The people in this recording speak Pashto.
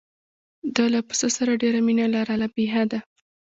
ده له پسه سره ډېره مینه لرله بې حده.